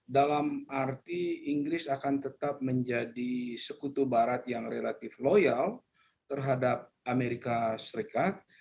dalam arti inggris akan tetap menjadi sekutu barat yang relatif loyal terhadap amerika serikat